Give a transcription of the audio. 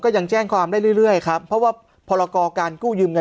ก็ยังแจ้งความได้เรื่อยเพราะพรกรการกู้ยืม